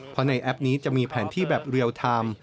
เพราะในแอปนี้จะมีแผนที่แบบเรียลไทม์